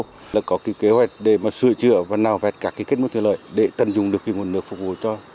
huyện có kế hoạch để sửa chữa và nào vẹt các kết mối tiền lợi để tận dụng được nguồn nước phục vụ